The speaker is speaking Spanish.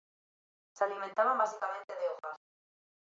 Se alimentaban básicamente de hojas.